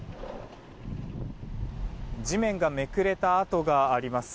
地面がめくれた跡があります。